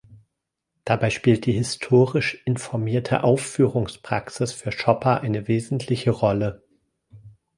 Dabei spielt die historisch informierte Aufführungspraxis für Schopper eine wesentliche Rolle.